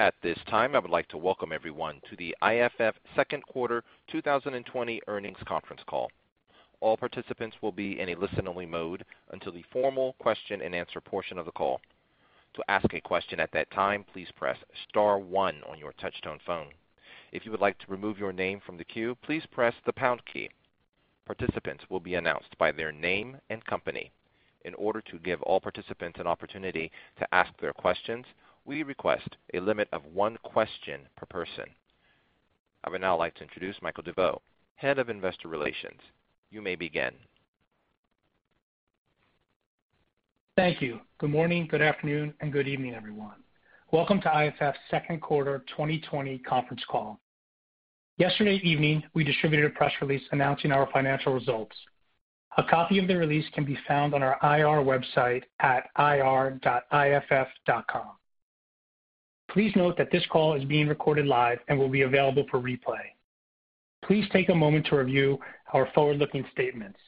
At this time, I would like to welcome everyone to the IFF Second Quarter 2020 Earnings Conference Call. All participants will be in a listen-only mode until the formal question and answer portion of the call. To ask a question at that time, please press star one on your touch-tone phone. If you would like to remove your name from the queue, please press the pound key. Participants will be announced by their name and company. In order to give all participants an opportunity to ask their questions, we request a limit of one question per person. I would now like to introduce Michael DeVeau, Head of Investor Relations. You may begin. Thank you. Good morning, good afternoon, and good evening, everyone. Welcome to IFF's Second Quarter 2020 Conference Call. Yesterday evening, we distributed a press release announcing our financial results. A copy of the release can be found on our IR website at ir.iff.com. Please note that this call is being recorded live and will be available for replay. Please take a moment to review our forward-looking statements.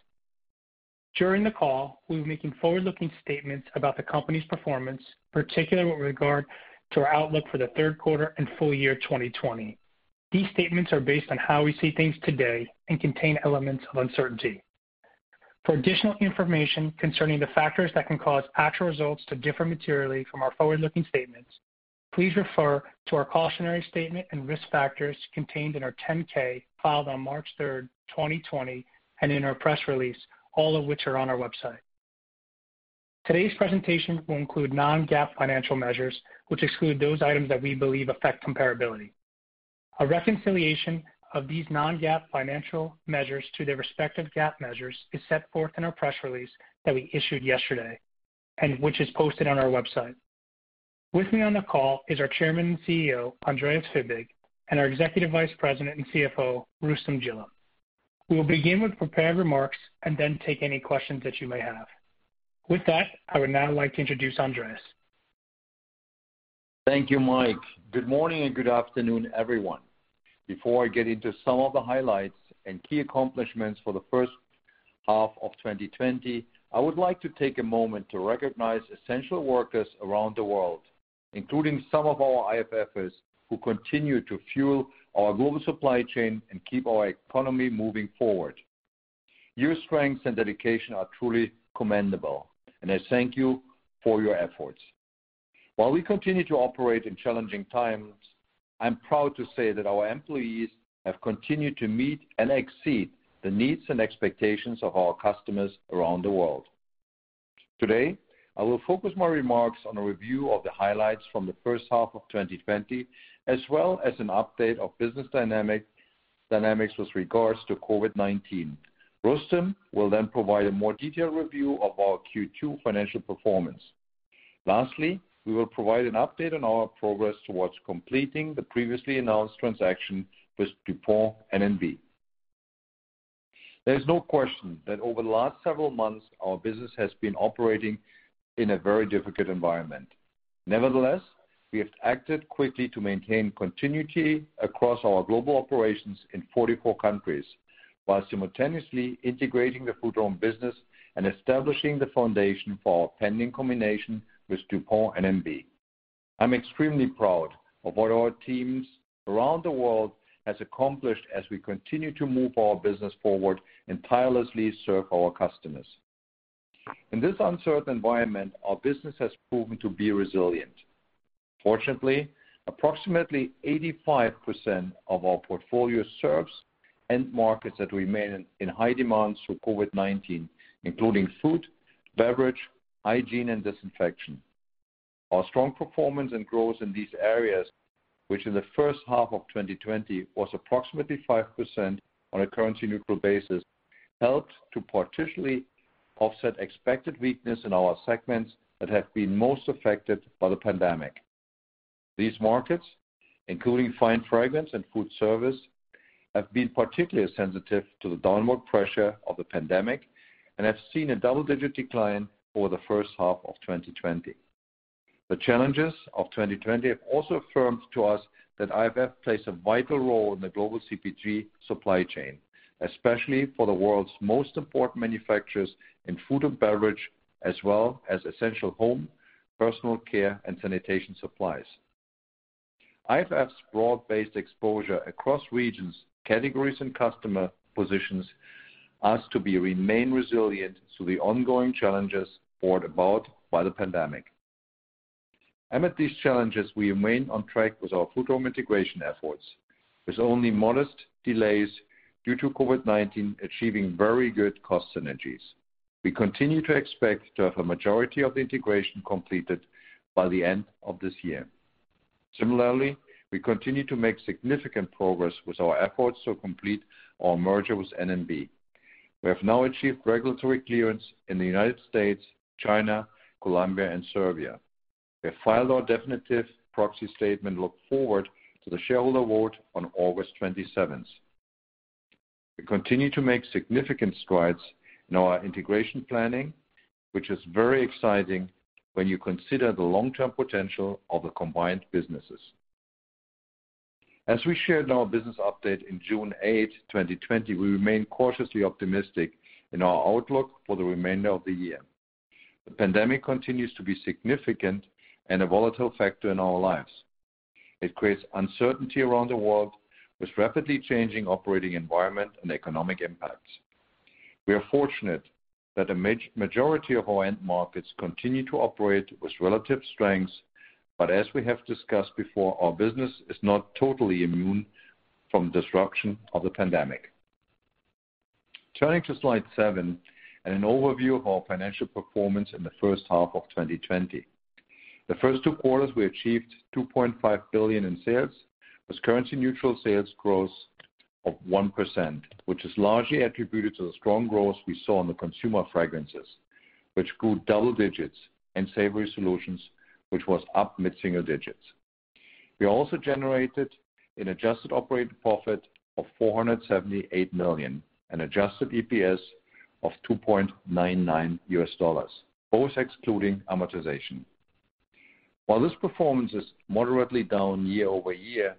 During the call, we'll be making forward-looking statements about the company's performance, particularly with regard to our outlook for the third quarter and full year 2020. These statements are based on how we see things today and contain elements of uncertainty. For additional information concerning the factors that can cause actual results to differ materially from our forward-looking statements, please refer to our cautionary statement and risk factors contained in our 10-K filed on March 3rd, 2020, and in our press release, all of which are on our website. Today's presentation will include non-GAAP financial measures, which exclude those items that we believe affect comparability. A reconciliation of these non-GAAP financial measures to their respective GAAP measures is set forth in our press release that we issued yesterday, and which is posted on our website. With me on the call is our Chairman and CEO, Andreas Fibig, and our Executive Vice President and CFO, Rustom Jilla. We will begin with prepared remarks and then take any questions that you may have. With that, I would now like to introduce Andreas. Thank you, Mike. Good morning and good afternoon, everyone. Before I get into some of the highlights and key accomplishments for the first half of 2020, I would like to take a moment to recognize essential workers around the world, including some of our IFFers, who continue to fuel our global supply chain and keep our economy moving forward. Your strengths and dedication are truly commendable, and I thank you for your efforts. While we continue to operate in challenging times, I'm proud to say that our employees have continued to meet and exceed the needs and expectations of our customers around the world. Today, I will focus my remarks on a review of the highlights from the first half of 2020, as well as an update of business dynamics with regards to COVID-19. Rustom will provide a more detailed review of our Q2 financial performance. Lastly, we will provide an update on our progress towards completing the previously announced transaction with DuPont N&B. There's no question that over the last several months, our business has been operating in a very difficult environment. Nevertheless, we have acted quickly to maintain continuity across our global operations in 44 countries while simultaneously integrating the Frutarom business and establishing the foundation for our pending combination with DuPont N&B. I'm extremely proud of what our teams around the world has accomplished as we continue to move our business forward and tirelessly serve our customers. In this uncertain environment, our business has proven to be resilient. Fortunately, approximately 85% of our portfolio serves end markets that remain in high demand through COVID-19, including food, beverage, hygiene, and disinfection. Our strong performance and growth in these areas, which in the first half of 2020 was approximately 5% on a currency-neutral basis, helped to partially offset expected weakness in our segments that have been most affected by the pandemic. These markets, including fine fragrance and food service, have been particularly sensitive to the downward pressure of the pandemic and have seen a double-digit decline over the first half of 2020. The challenges of 2020 have also affirmed to us that IFF plays a vital role in the global CPG supply chain, especially for the world's most important manufacturers in food and beverage, as well as essential home, personal care, and sanitation supplies. IFF's broad-based exposure across regions, categories, and customer positions us to be remain resilient to the ongoing challenges brought about by the pandemic. Amidst these challenges, we remain on track with our Frutarom integration efforts, with only modest delays due to COVID-19, achieving very good cost synergies. We continue to expect to have a majority of the integration completed by the end of this year. Similarly, we continue to make significant progress with our efforts to complete our merger with N&B. We have now achieved regulatory clearance in the U.S., China, Colombia, and Serbia. We have filed our definitive proxy statement and look forward to the shareholder vote on August 27th. We continue to make significant strides in our integration planning, which is very exciting when you consider the long-term potential of the combined businesses. As we shared in our business update in June 8th, 2020, we remain cautiously optimistic in our outlook for the remainder of the year. The pandemic continues to be significant and a volatile factor in our lives. It creates uncertainty around the world with rapidly changing operating environment and economic impacts. We are fortunate that a majority of our end markets continue to operate with relative strength, but as we have discussed before, our business is not totally immune from disruption of the pandemic. Turning to slide seven and an overview of our financial performance in the first half of 2020. The first two quarters, we achieved $2.5 billion in sales with currency neutral sales growth of 1%, which is largely attributed to the strong growth we saw in the consumer fragrances, which grew double-digits, and savory solutions, which was up mid-single-digits. We also generated an adjusted operating profit of $478 million, an adjusted EPS of $2.99, both excluding amortization. While this performance is moderately down year-over-year,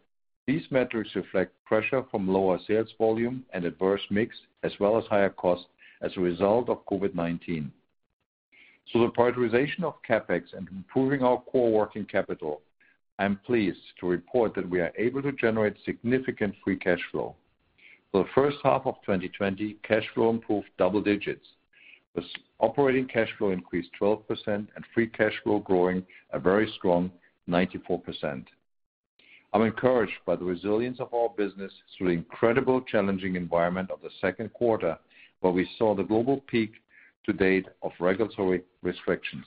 these metrics reflect pressure from lower sales volume and adverse mix, as well as higher costs as a result of COVID-19. Through the prioritization of CapEx and improving our core working capital, I am pleased to report that we are able to generate significant free cash flow. For the first half of 2020, cash flow improved double-digits, with operating cash flow increased 12% and free cash flow growing a very strong 94%. I'm encouraged by the resilience of our business through the incredible challenging environment of the second quarter, where we saw the global peak to date of regulatory restrictions.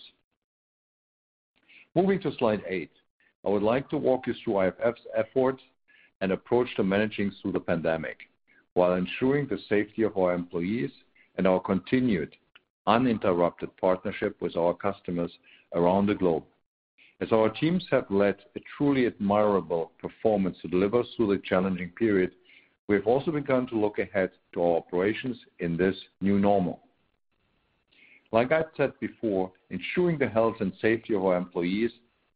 Moving to slide eight. I would like to walk you through IFF's efforts and approach to managing through the pandemic while ensuring the safety of our employees and our continued uninterrupted partnership with our customers around the globe. As our teams have led a truly admirable performance to deliver through the challenging period, we have also begun to look ahead to our operations in this new normal. Like I've said before, ensuring the health and safety of our employees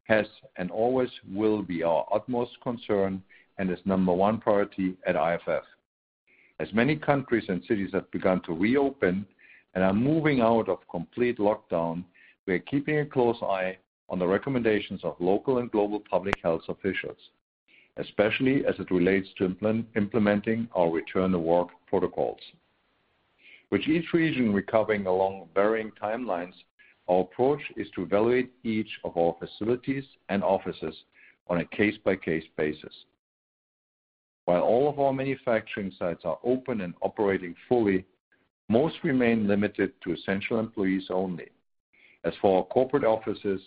has and always will be our utmost concern and is number one priority at IFF. As many countries and cities have begun to reopen and are moving out of complete lockdown, we are keeping a close eye on the recommendations of local and global public health officials, especially as it relates to implementing our return-to-work protocols. With each region recovering along varying timelines, our approach is to evaluate each of our facilities and offices on a case-by-case basis. While all of our manufacturing sites are open and operating fully, most remain limited to essential employees only. As for our corporate offices,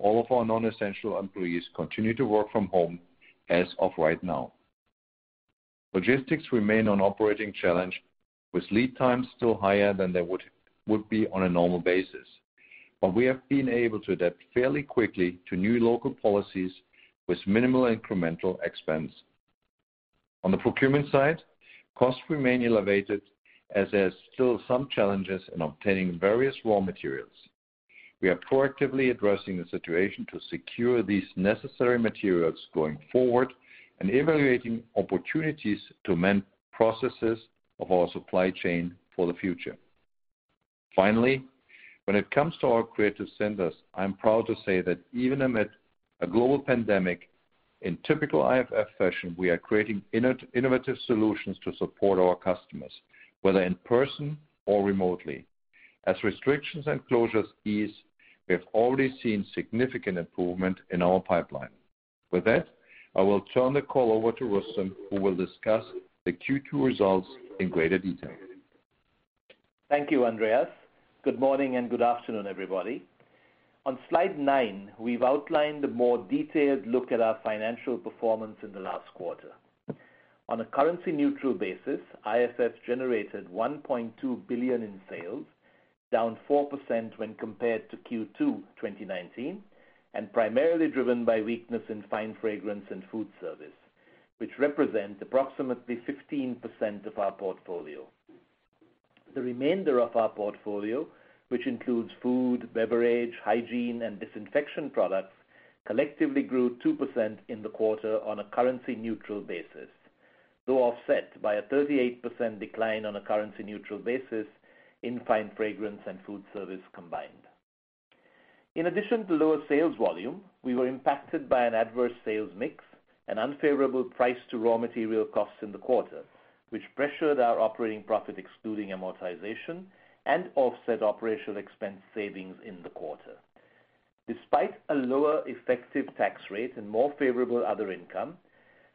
all of our non-essential employees continue to work from home as of right now. Logistics remain an operating challenge, with lead times still higher than they would be on a normal basis, but we have been able to adapt fairly quickly to new local policies with minimal incremental expense. On the procurement side, costs remain elevated as there is still some challenges in obtaining various raw materials. We are proactively addressing the situation to secure these necessary materials going forward and evaluating opportunities to amend processes of our supply chain for the future. Finally, when it comes to our creative centers, I am proud to say that even amid a global pandemic, in typical IFF fashion, we are creating innovative solutions to support our customers, whether in person or remotely. As restrictions and closures ease, we have already seen significant improvement in our pipeline. With that, I will turn the call over to Rustom, who will discuss the Q2 results in greater detail. Thank you, Andreas. Good morning and good afternoon, everybody. On slide nine, we've outlined a more detailed look at our financial performance in the last quarter. On a currency neutral basis, IFF generated $1.2 billion in sales, down 4% when compared to Q2 2019, and primarily driven by weakness in fine fragrance and food service, which represent approximately 15% of our portfolio. The remainder of our portfolio, which includes food, beverage, hygiene, and disinfection products, collectively grew 2% in the quarter on a currency neutral basis, though offset by a 38% decline on a currency neutral basis in fine fragrance and food service combined. In addition to lower sales volume, we were impacted by an adverse sales mix and unfavorable price to raw material costs in the quarter, which pressured our operating profit excluding amortization and offset operational expense savings in the quarter. Despite a lower effective tax-rate and more favorable other income,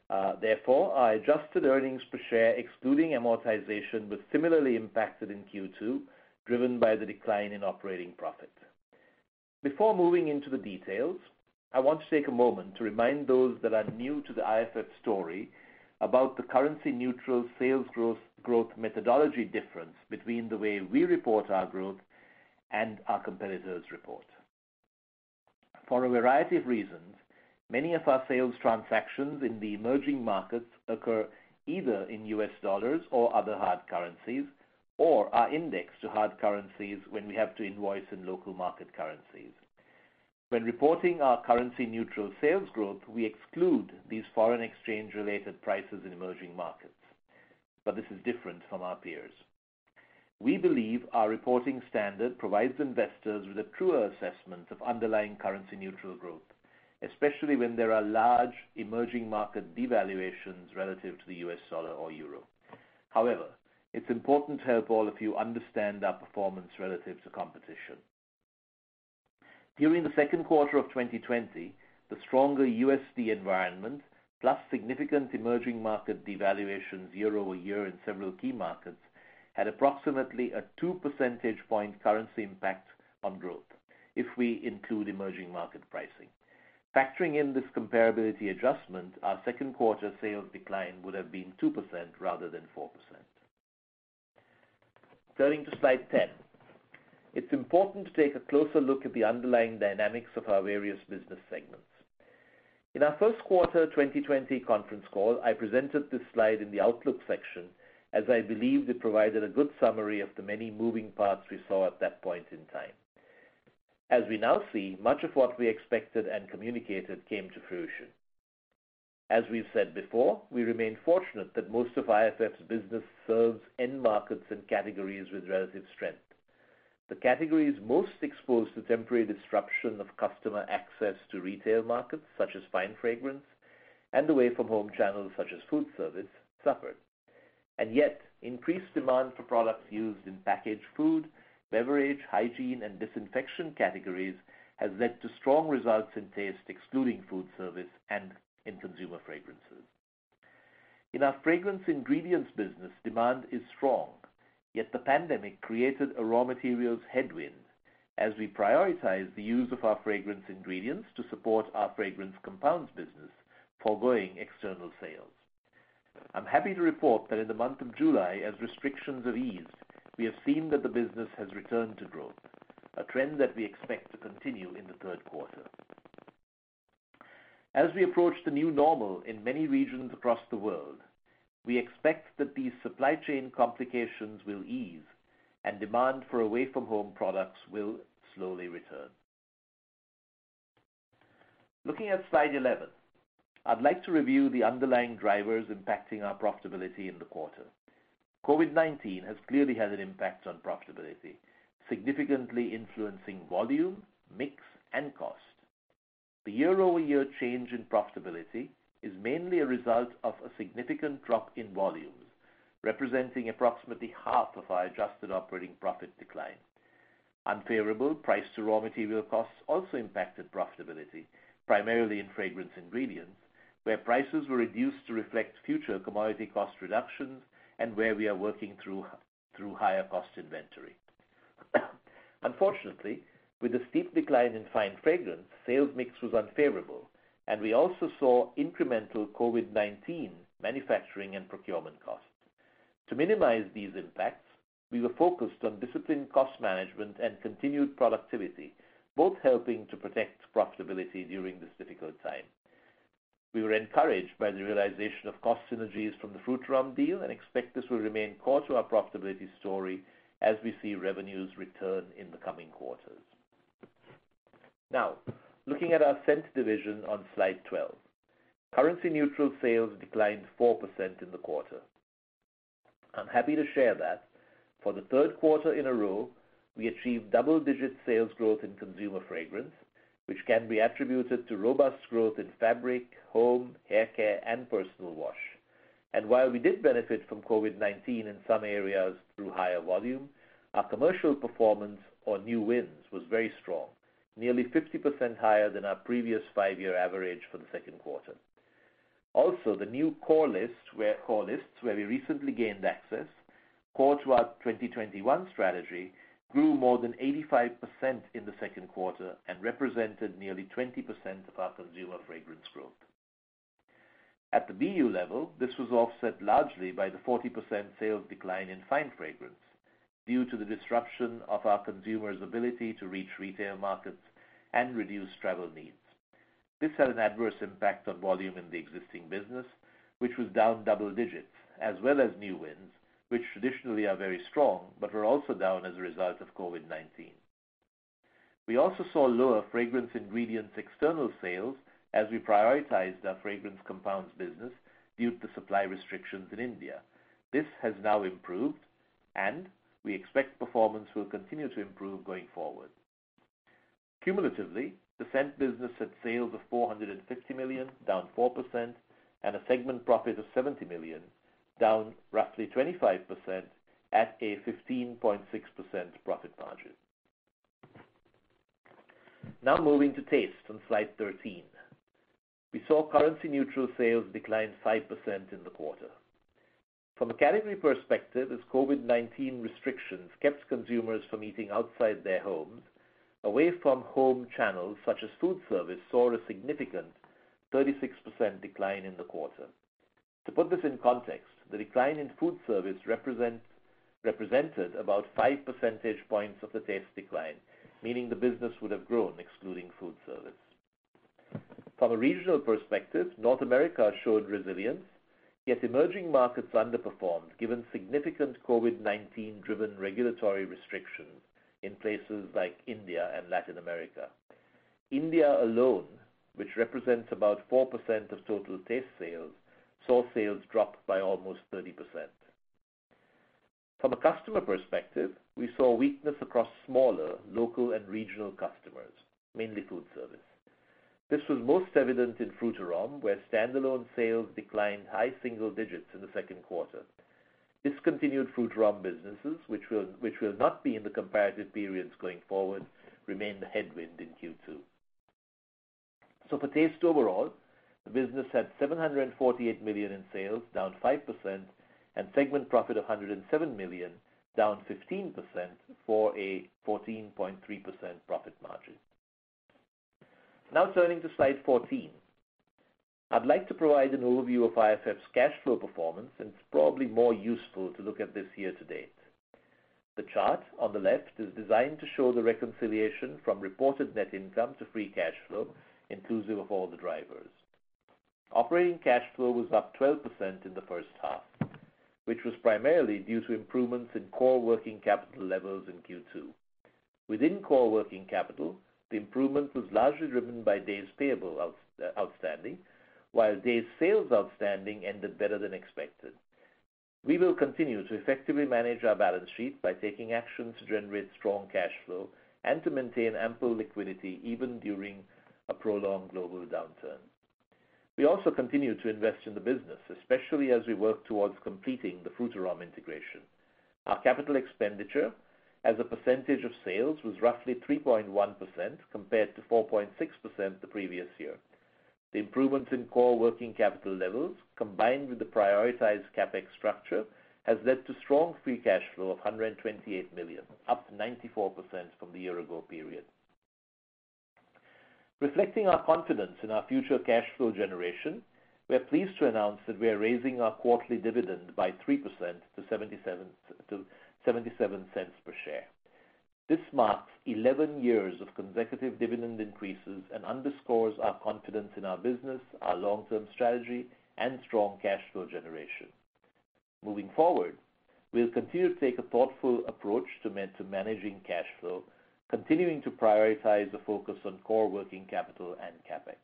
our adjusted earnings per share excluding amortization was similarly impacted in Q2, driven by the decline in operating profit. Before moving into the details, I want to take a moment to remind those that are new to the IFF story about the currency-neutral sales growth methodology difference between the way we report our growth and our competitors report. For a variety of reasons, many of our sales transactions in the emerging markets occur either in U.S. dollars or other hard currencies or are indexed to hard currencies when we have to invoice in local market currencies. When reporting our currency-neutral sales growth, we exclude these foreign exchange-related prices in emerging markets, this is different from our peers. We believe our reporting standard provides investors with a truer assessment of underlying currency-neutral growth, especially when there are large emerging market devaluations relative to the U.S. dollar or euro. However, it's important to help all of you understand our performance relative to competition. During the second quarter of 2020, the stronger USD environment, plus significant emerging market devaluations year-over-year in several key markets, had approximately a 2 percentage point currency impact on growth if we include emerging market pricing. Factoring in this comparability adjustment, our second quarter sales decline would have been 2% rather than 4%. Turning to slide 10. It's important to take a closer look at the underlying dynamics of our various business segments. In our first quarter 2020 conference call, I presented this slide in the outlook section, as I believed it provided a good summary of the many moving parts we saw at that point in time. As we now see, much of what we expected and communicated came to fruition. As we've said before, we remain fortunate that most of IFF's business serves end markets and categories with relative strength. The categories most exposed to temporary disruption of customer access to retail markets, such as fine fragrance, and away-from-home channels such as food service, suffered. Yet, increased demand for products used in packaged food, beverage, hygiene, and disinfection categories has led to strong results in Taste, excluding food service and in consumer fragrances. In our Fragrance Ingredients business, demand is strong, yet the pandemic created a raw materials headwind as we prioritize the use of our fragrance ingredients to support our Fragrance Compounds business, foregoing external sales. I'm happy to report that in the month of July, as restrictions are eased, we have seen that the business has returned to growth, a trend that we expect to continue in the third quarter. As we approach the new normal in many regions across the world, we expect that these supply chain complications will ease and demand for away-from-home products will slowly return. Looking at slide 11, I'd like to review the underlying drivers impacting our profitability in the quarter. COVID-19 has clearly had an impact on profitability, significantly influencing volume, mix, and cost. The year-over-year change in profitability is mainly a result of a significant drop in volumes, representing approximately half of our adjusted operating profit decline. Unfavorable price to raw material costs also impacted profitability, primarily in fragrance ingredients, where prices were reduced to reflect future commodity cost reductions and where we are working through higher cost inventory. Unfortunately, with the steep decline in fine fragrance, sales mix was unfavorable, and we also saw incremental COVID-19 manufacturing and procurement costs. To minimize these impacts, we were focused on disciplined cost management and continued productivity, both helping to protect profitability during this difficult time. We were encouraged by the realization of cost synergies from the Frutarom deal and expect this will remain core to our profitability story as we see revenues return in the coming quarters. Now, looking at our Scent division on slide 12. Currency-neutral sales declined 4% in the quarter. I'm happy to share that for the third quarter in a row, we achieved double-digit sales growth in Consumer Fragrance, which can be attributed to robust growth in fabric, home, hair care, and personal wash. While we did benefit from COVID-19 in some areas through higher volume, our commercial performance or new wins was very strong, nearly 50% higher than our previous five-year average for the second quarter. Also, the new core lists where we recently gained access, core to our 2021 strategy, grew more than 85% in the second quarter and represented nearly 20% of our Consumer Fragrance growth. At the BU level, this was offset largely by the 40% sales decline in Fine Fragrance due to the disruption of our consumers' ability to reach retail markets and reduce travel needs. This had an adverse impact on volume in the existing business, which was down double-digits, as well as new wins, which traditionally are very strong, but were also down as a result of COVID-19. We also saw lower fragrance ingredients external sales as we prioritized our Fragrance Compounds business due to supply restrictions in India. This has now improved, we expect performance will continue to improve going forward. Cumulatively, the Scent business had sales of $450 million, down 4%, and a segment profit of $70 million, down roughly 25% at a 15.6% profit margin. Moving to Taste on slide 13. We saw currency-neutral sales decline 5% in the quarter. From a category perspective, as COVID-19 restrictions kept consumers from eating outside their homes, away-from-home channels such as food service saw a significant 36% decline in the quarter. To put this in context, the decline in food service represented about 5 percentage points of the Taste decline, meaning the business would have grown excluding food service. From a regional perspective, North America showed resilience, yet emerging markets underperformed given significant COVID-19-driven regulatory restrictions in places like India and Latin America. India alone, which represents about 4% of total Taste sales, saw sales drop by almost 30%. From a customer perspective, we saw weakness across smaller local and regional customers, mainly food service. This was most evident in Frutarom, where standalone sales declined high-single-digits in the second quarter. Discontinued Frutarom businesses, which will not be in the comparative periods going forward, remained a headwind in Q2. For Taste overall, the business had $748 million in sales, down 5%, and segment profit of $107 million, down 15%, for a 14.3% profit margin. Now turning to slide 14. I'd like to provide an overview of IFF's cash flow performance, and it's probably more useful to look at this year-to-date. The chart on the left is designed to show the reconciliation from reported net income to free cash flow, inclusive of all the drivers. Operating cash flow was up 12% in the first half, which was primarily due to improvements in core working capital levels in Q2. Within core working capital, the improvement was largely driven by days payable outstanding, while days sales outstanding ended better than expected. We will continue to effectively manage our balance sheet by taking action to generate strong cash flow and to maintain ample liquidity, even during a prolonged global downturn. We also continue to invest in the business, especially as we work towards completing the Frutarom integration. Our capital expenditure as a percentage of sales was roughly 3.1%, compared to 4.6% the previous year. The improvements in core working capital levels, combined with the prioritized CapEx structure, has led to strong free cash flow of $128 million, up 94% from the year-ago period. Reflecting our confidence in our future cash flow generation, we are pleased to announce that we are raising our quarterly dividend by 3% to $0.77 per share. This marks 11 years of consecutive dividend increases and underscores our confidence in our business, our long-term strategy, and strong cash flow generation. Moving forward, we'll continue to take a thoughtful approach to managing cash flow, continuing to prioritize the focus on core working capital and CapEx.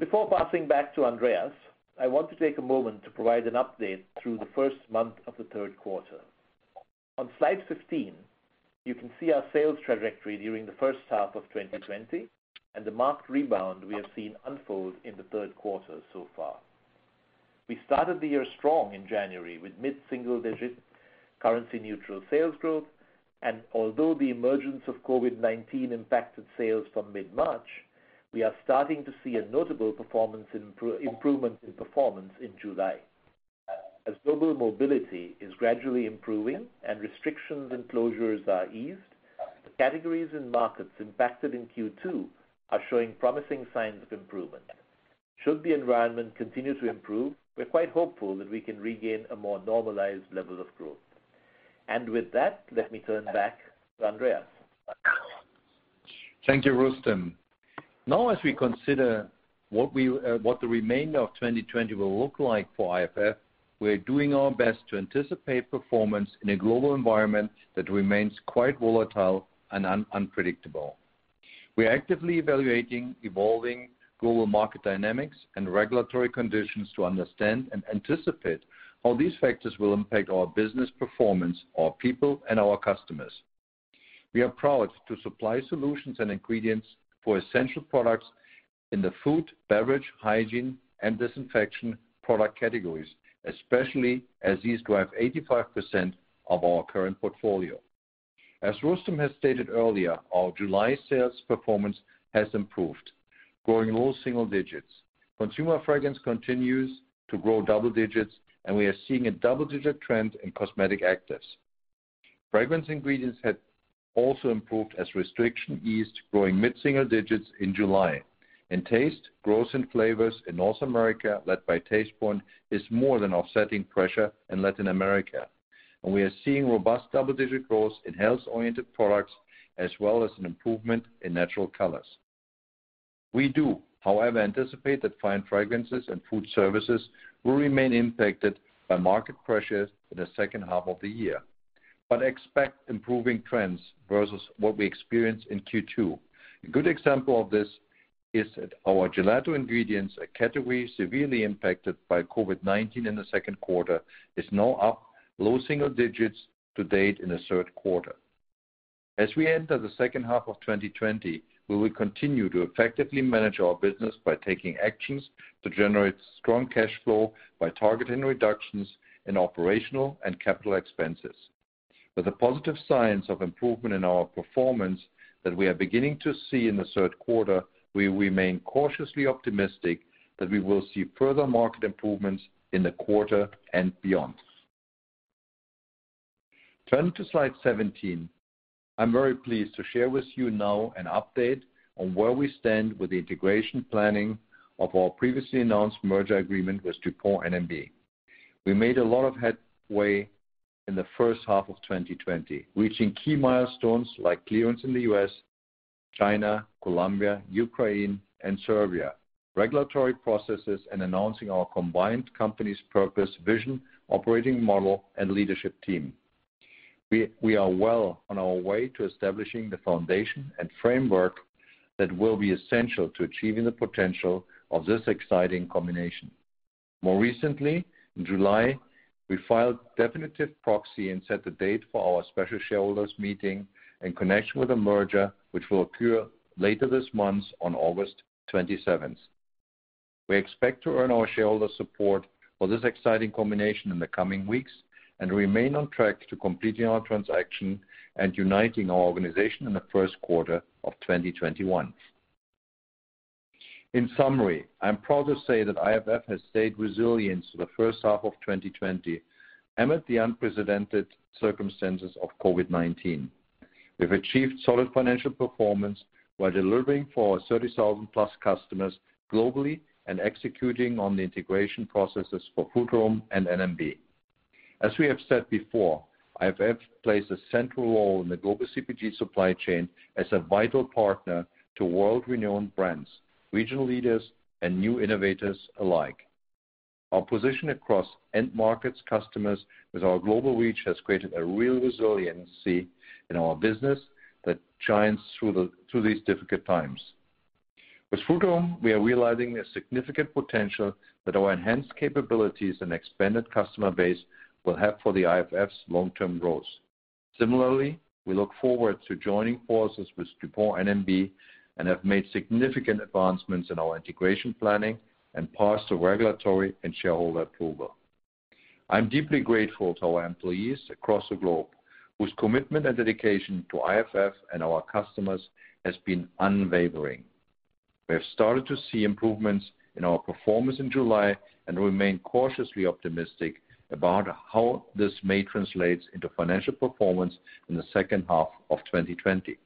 Before passing back to Andreas, I want to take a moment to provide an update through the first month of the third quarter. On slide 15, you can see our sales trajectory during the first half of 2020 and the marked rebound we have seen unfold in the third quarter so far. We started the year strong in January with mid-single-digit currency neutral sales growth. Although the emergence of COVID-19 impacted sales from mid-March, we are starting to see a notable improvement in performance in July. As global mobility is gradually improving and restrictions and closures are eased, the categories and markets impacted in Q2 are showing promising signs of improvement. Should the environment continue to improve, we're quite hopeful that we can regain a more normalized level of growth. With that, let me turn back to Andreas. Thank you, Rustom. As we consider what the remainder of 2020 will look like for IFF, we're doing our best to anticipate performance in a global environment that remains quite volatile and unpredictable. We're actively evaluating evolving global market dynamics and regulatory conditions to understand and anticipate how these factors will impact our business performance, our people, and our customers. We are proud to supply solutions and ingredients for essential products in the food, beverage, hygiene, and disinfection product categories, especially as these drive 85% of our current portfolio. As Rustom has stated earlier, our July sales performance has improved, growing low-single-digits. Consumer fragrance continues to grow double-digits, and we are seeing a double-digit trend in cosmetic actives. Fragrance ingredients have also improved as restriction eased, growing mid-single-digits in July. In taste, growth in flavors in North America, led by Tastepoint, is more than offsetting pressure in Latin America, and we are seeing robust double-digit growth in health-oriented products, as well as an improvement in natural colors. We do, however, anticipate that fine fragrances and food services will remain impacted by market pressures in the second half of the year but expect improving trends versus what we experienced in Q2. A good example of this is that our gelato ingredients, a category severely impacted by COVID-19 in the second quarter, is now up low-single-digits to date in the third quarter. As we enter the second half of 2020, we will continue to effectively manage our business by taking actions to generate strong cash flow by targeting reductions in operational and capital expenses. With the positive signs of improvement in our performance that we are beginning to see in the third quarter, we remain cautiously optimistic that we will see further market improvements in the quarter and beyond. Turning to slide 17, I'm very pleased to share with you now an update on where we stand with the integration planning of our previously announced merger agreement with DuPont N&B. We made a lot of headway in the first half of 2020, reaching key milestones like clearance in the U.S., China, Colombia, Ukraine, and Serbia, regulatory processes, and announcing our combined company's purpose, vision, operating model, and leadership team. We are well on our way to establishing the foundation and framework that will be essential to achieving the potential of this exciting combination. More recently, in July, we filed definitive proxy and set the date for our special shareholders meeting in connection with the merger, which will occur later this month on August 27th. We expect to earn our shareholders' support for this exciting combination in the coming weeks and remain on track to completing our transaction and uniting our organization in the first quarter of 2021. In summary, I'm proud to say that IFF has stayed resilient through the first half of 2020 amid the unprecedented circumstances of COVID-19. We've achieved solid financial performance while delivering for our 30,000+ customers globally and executing on the integration processes for Frutarom and N&B. As we have said before, IFF plays a central role in the global CPG supply chain as a vital partner to world-renowned brands, regional leaders, and new innovators alike. Our position across end markets, customers, with our global reach has created a real resiliency in our business that shines through these difficult times. With Frutarom, we are realizing a significant potential that our enhanced capabilities and expanded customer base will have for the IFF's long-term growth. Similarly, we look forward to joining forces with DuPont N&B and have made significant advancements in our integration planning and passed the regulatory and shareholder approval. I'm deeply grateful to our employees across the globe, whose commitment and dedication to IFF and our customers has been unwavering. We have started to see improvements in our performance in July and remain cautiously optimistic about how this may translate into financial performance in the second half of 2020.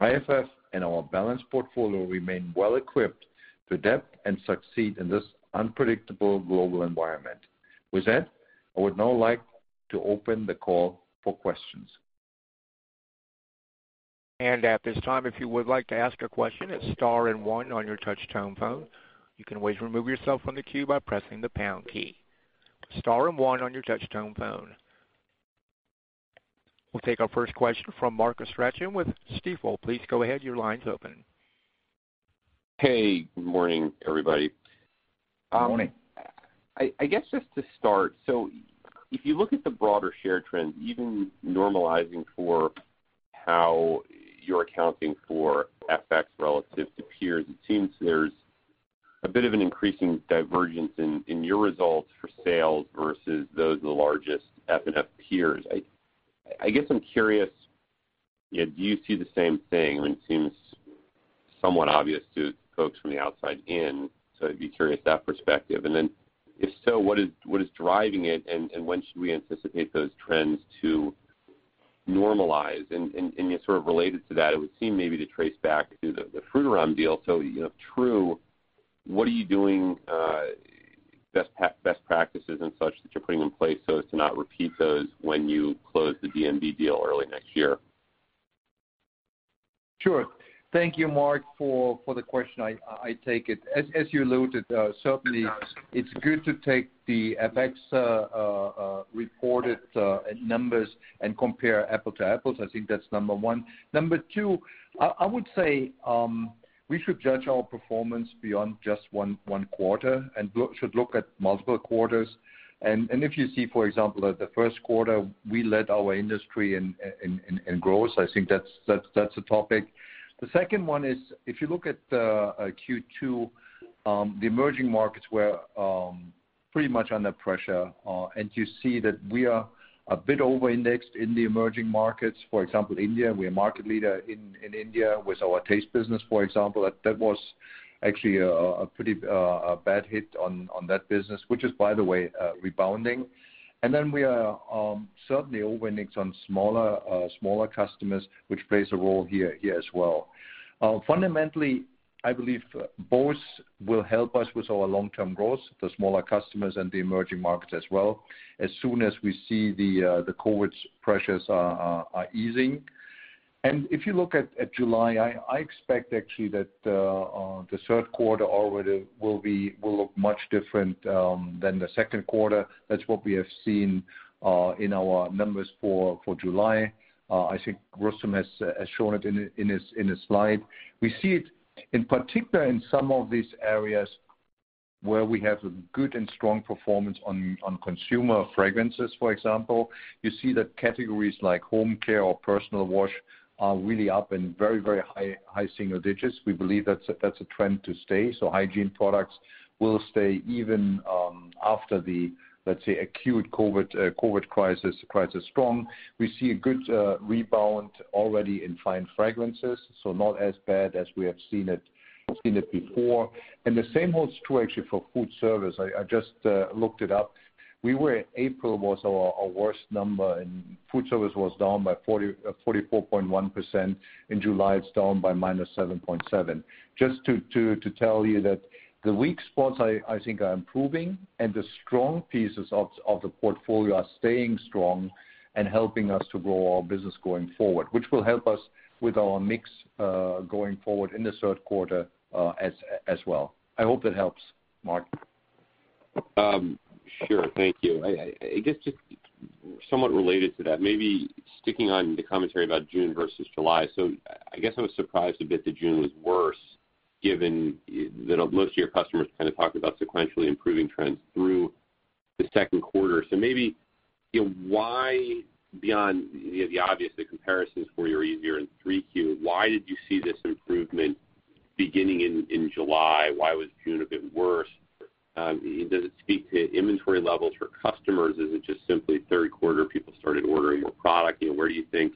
IFF and our balanced portfolio remain well-equipped to adapt and succeed in this unpredictable global environment. With that, I would now like to open the call for questions. At this time, if you would like to ask a question, it's star one on your touchtone phone. You can wait to remove yourself from the queue by pressing the pound key. Star one on your touchtone phone. We'll take our first question from Mark Esposito with Stifel. Please go ahead. Your line's open. Hey, good morning everybody. Good morning. I guess just to start, if you look at the broader share trends, even normalizing for how you're accounting for FX relative to peers, it seems there's a bit of an increasing divergence in your results for sales versus those of the largest F&F peers. I guess I'm curious, do you see the same thing? It seems somewhat obvious to folks from the outside in. I'd be curious of that perspective. Then, if so, what is driving it, and when should we anticipate those trends to normalize? Sort of related to that, it would seem maybe to trace back to the Frutarom deal. If true, what are you doing, best practices and such that you're putting in place so as to not repeat those when you close the N&B deal early next year? Sure. Thank you, Mark, for the question. I take it. As you alluded, certainly it's good to take the FX reported numbers and compare apple to apples. I think that's number one. Number two, I would say we should judge our performance beyond just one quarter, should look at multiple quarters. If you see, for example, at the first quarter, we led our industry in growth. I think that's a topic. The second one is if you look at Q2, the emerging markets were pretty much under pressure, you see that we are a bit over-indexed in the emerging markets. For example, India, we are market leader in India with our taste business, for example. That was actually a pretty bad hit on that business, which is, by the way, rebounding. We are certainly over-indexed on smaller customers, which plays a role here as well. Fundamentally, I believe both will help us with our long-term growth, the smaller customers and the emerging markets as well, as soon as we see the COVID pressures are easing. If you look at July, I expect actually that the third quarter already will look much different than the second quarter. That's what we have seen in our numbers for July. I think Rustom has shown it in his slide. We see it in particular in some of these areas where we have a good and strong performance on consumer fragrances, for example. You see that categories like home care or personal wash are really up in very, very high-single-digits. We believe that's a trend to stay. So hygiene products will stay even after the, let's say, acute COVID crisis strong. We see a good rebound already in fine fragrances, so not as bad as we have seen it before. The same holds true actually for food service. I just looked it up. April was our worst number, and food service was down by 44.1%. In July, it's down by -7.7%. Just to tell you that the weak spots I think are improving, and the strong pieces of the portfolio are staying strong and helping us to grow our business going forward, which will help us with our mix going forward in the third quarter as well. I hope that helps, Mark. Sure. Thank you. I guess just somewhat related to that, maybe sticking on the commentary about June versus July. I guess I was surprised a bit that June was worse given that most of your customers kind of talked about sequentially improving trends through the second quarter. Maybe why, beyond the obvious comparisons for your easier in 3Q, why did you see this improvement beginning in July? Why was June a bit worse? Does it speak to inventory levels for customers? Is it just simply third quarter people started ordering more product? Where do you think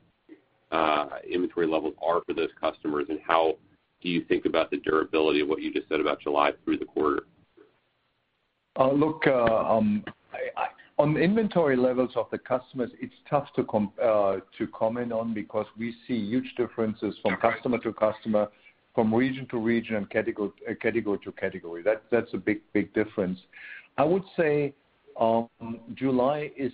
inventory levels are for those customers, and how do you think about the durability of what you just said about July through the quarter? Look, on the inventory levels of the customers, it's tough to comment on because we see huge differences from customer-to-customer, from region-to-region, and category-to-category. That's a big difference. I would say July is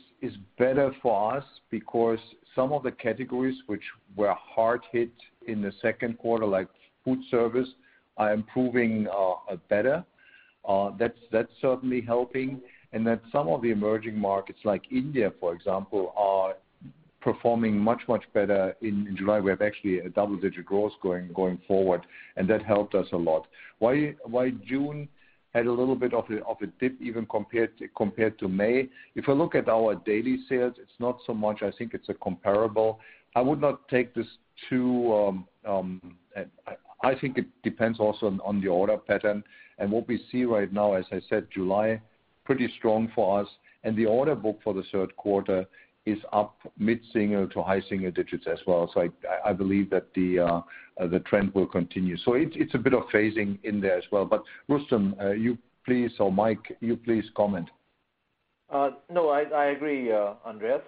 better for us because some of the categories which were hard hit in the second quarter, like food service, are improving better. That's certainly helping. That some of the emerging markets, like India, for example, are performing much better in July. We have actually a double-digit growth going forward, and that helped us a lot. Why June had a little bit of a dip even compared to May. If we look at our daily sales, it's not so much I think it's comparable. I think it depends also on the order pattern and what we see right now, as I said, July, pretty strong for us. The order book for the third quarter is up mid-single to high-single-digits as well. I believe that the trend will continue. It's a bit of phasing in there as well. Rustom, you please, or Mike, you please comment. No, I agree, Andreas.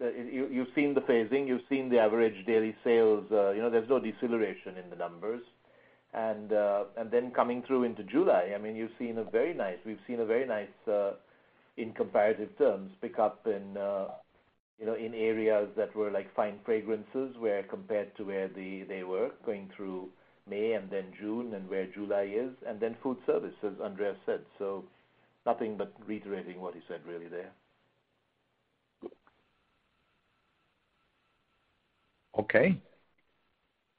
You've seen the phasing, you've seen the average daily sales. There's no deceleration in the numbers. Coming through into July, we've seen a very nice, in comparative terms, pick up in areas that were like fine fragrances where compared to where they were going through May and then June and where July is, and then food service, as Andreas said. Nothing but reiterating what he said really there. Okay.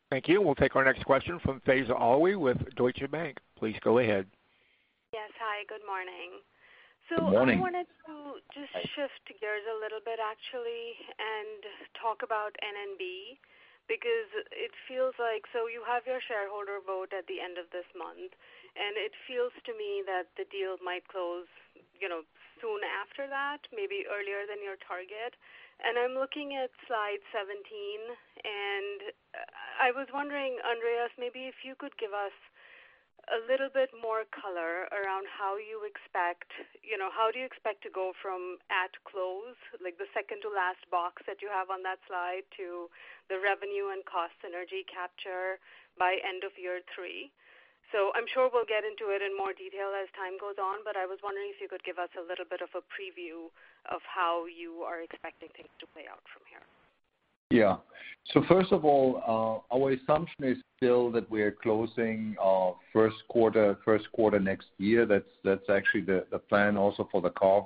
Thank you. We'll take our next question from Faiza Alwy with Deutsche Bank. Please go ahead. Yes. Hi, good morning. Good morning. I wanted to just shift gears a little bit actually and talk about N&B, because it feels like, so you have your shareholder vote at the end of this month. It feels to me that the deal might close soon after that, maybe earlier than your target. I'm looking at slide 17, and I was wondering, Andreas, maybe if you could give us a little bit more color around how do you expect to go from at close, like the second to last box that you have on that slide, to the revenue and cost synergy capture by end of year three. I'm sure we'll get into it in more detail as time goes on, but I was wondering if you could give us a little bit of a preview of how you are expecting things to play out from here. Yeah. First of all, our assumption is still that we're closing first quarter next year. That's actually the plan also for the carve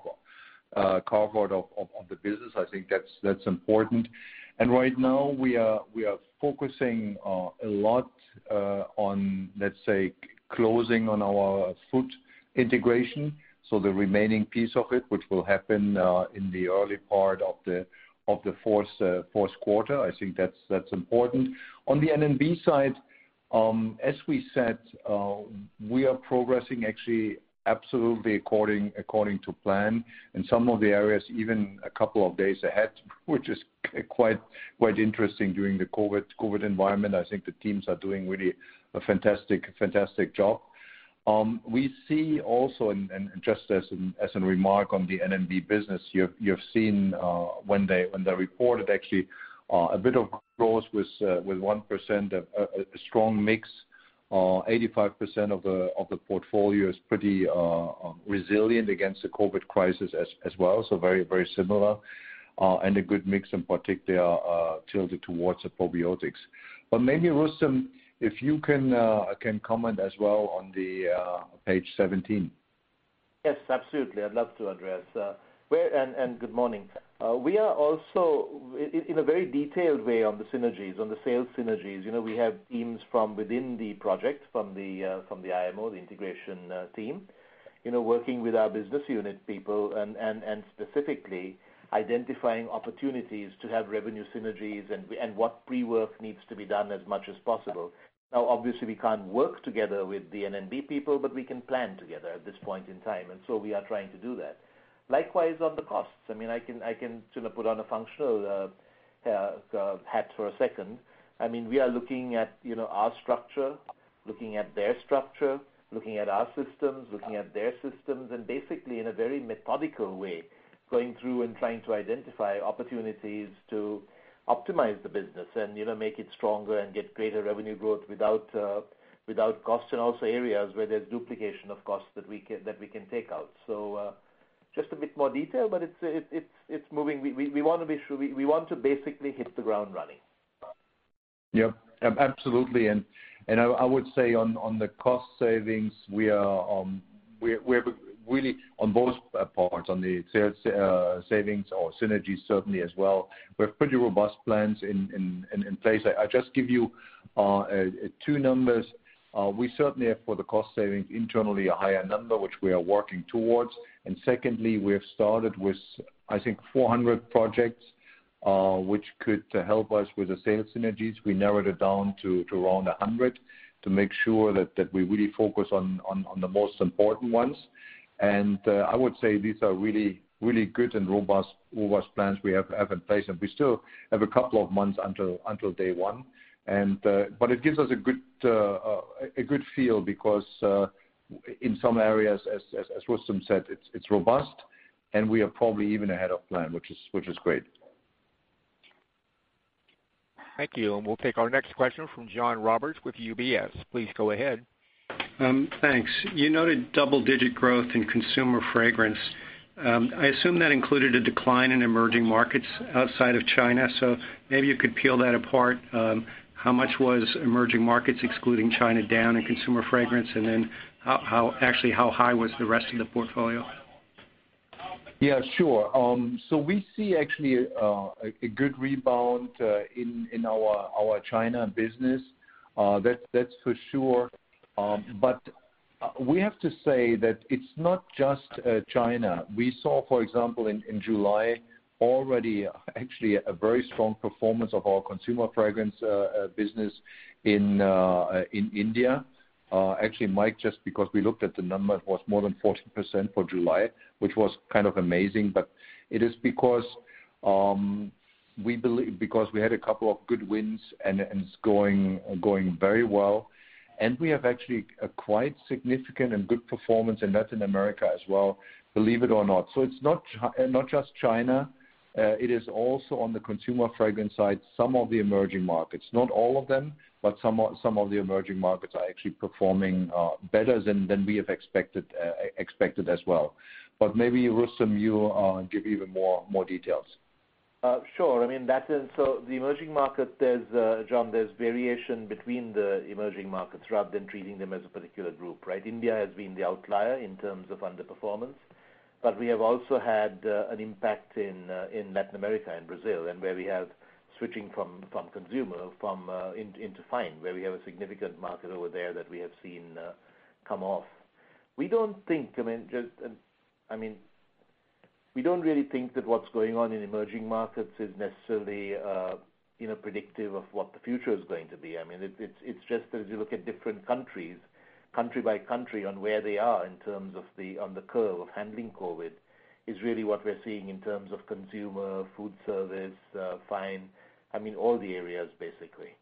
out of the business. I think that's important. Right now we are focusing a lot on, let's say, closing on our full integration. The remaining piece of it, which will happen in the early part of the fourth quarter, I think that's important. On the N&B side, as we said, we are progressing actually absolutely according to plan, and some of the areas even a couple of days ahead, which is quite interesting during the COVID-19 environment. I think the teams are doing really a fantastic job. We see also, and just as a remark on the N&B business, you've seen when they reported actually a bit of growth with 1% a strong mix. 85% of the portfolio is pretty resilient against the COVID-19 crisis as well. Very similar. A good mix in particular tilted towards the probiotics. Maybe Rustom, if you can comment as well on the page 17. Yes, absolutely. I'd love to address. Good morning. We are also in a very detailed way on the synergies, on the sales synergies. We have teams from within the project, from the IMO, the integration team working with our business unit people and specifically identifying opportunities to have revenue synergies and what pre-work needs to be done as much as possible. Now, obviously we can't work together with the N&B people, but we can plan together at this point in time. We are trying to do that. Likewise on the costs. I can sort of put on a functional hat for a second. We are looking at our structure, looking at their structure, looking at our systems, looking at their systems, basically in a very methodical way, going through and trying to identify opportunities to optimize the business and make it stronger and get greater revenue growth without cost and also areas where there's duplication of costs that we can take out. Just a bit more detail, but it's moving. We want to basically hit the ground running. Yep, absolutely. I would say on the cost savings, we are really on both parts, on the sales savings or synergies certainly as well. We have pretty robust plans in place. I just give you two numbers. We certainly have, for the cost savings internally, a higher number, which we are working towards. Secondly, we have started with, I think, 400 projects, which could help us with the sales synergies. We narrowed it down to around 100 to make sure that we really focus on the most important ones. I would say these are really good and robust plans we have in place, and we still have a couple of months until day one. It gives us a good feel because, in some areas, as Rustom said, it's robust, and we are probably even ahead of plan, which is great. Thank you. We'll take our next question from John Roberts with UBS. Please go ahead. Thanks. You noted double-digit growth in consumer fragrance. I assume that included a decline in emerging markets outside of China, so maybe you could peel that apart. How much was emerging markets, excluding China, down in consumer fragrance? Actually, how high was the rest of the portfolio? Yeah, sure. We see actually a good rebound in our China business. That's for sure. We have to say that it's not just China. We saw, for example, in July already actually a very strong performance of our consumer fragrance business in India. Actually, might, just because we looked at the number, it was more than 14% for July, which was kind of amazing. It is because we had a couple of good wins, and it's going very well. We have actually a quite significant and good performance in Latin America as well, believe it or not. It's not just China. It is also on the Consumer Fragrance side, some of the emerging markets, not all of them, but some of the emerging markets are actually performing better than we have expected as well. Maybe, Rustom, you give even more details. Sure. The emerging market, John, there's variation between the emerging markets rather than treating them as a particular group, right? India has been the outlier in terms of underperformance, but we have also had an impact in Latin America and Brazil, and where we have switching from consumer into fine, where we have a significant market over there that we have seen come off. We don't really think that what's going on in emerging markets is necessarily predictive of what the future is going to be. It's just that as you look at different countries, country-by-country, on where they are in terms of on the curve of handling COVID is really what we're seeing in terms of consumer, food service, fine, all the areas, basically.